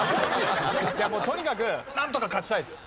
もうとにかくなんとか勝ちたいです。